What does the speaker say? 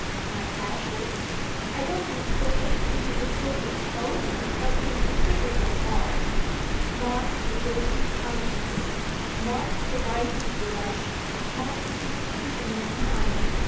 "My passion ?" "I don't mean for any individual exponent of the equivocal art: mark the guilty conscience, mark the rising blush, mark the confusion of mind!